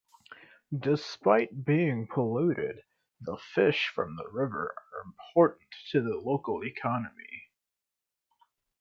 Despite being polluted, the fish from the river are important to the local economy.